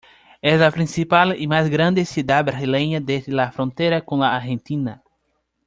Es la principal y más grande ciudad brasileña desde la frontera con la Argentina.